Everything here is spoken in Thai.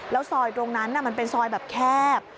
แล้วซอยตรงนั้นมันเป็นซอยแบบแคบ